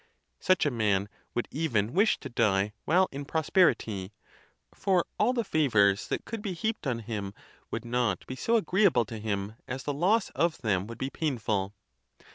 Such a man would even wish to die while in prosperity ; for all the favors that could be heaped on him would not be so agreeable to him as the loss of them would be painful.